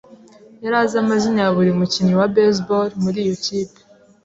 yari azi amazina ya buri mukinnyi wa baseball muri iyo kipe.